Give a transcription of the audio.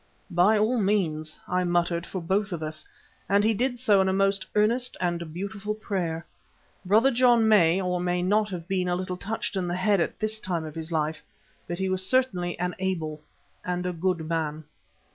"By all means," I muttered for both of us, and he did so in a most earnest and beautiful prayer. Brother John may or may not have been a little touched in the head at this time of his life, but he was certainly an able and a good man.